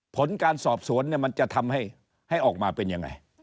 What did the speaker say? ผลการสอบสวนมันจะทำให้ออกมาเป็นยังไง